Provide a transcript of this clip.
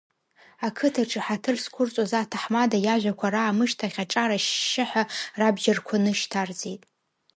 Ақыҭаҿы ҳаҭыр зқәырҵоз аҭаҳмада иажәақәа раамышьҭахь аҿар ашьшьаҳәа рабџьарқәа нышьҭарҵеит.